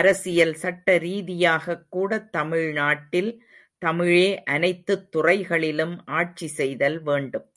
அரசியல் சட்ட ரீதியாகக் கூட தமிழ் நாட்டில் தமிழே அனைத்துத் துறைகளிலும் ஆட்சி செய்தல் வேண்டும்.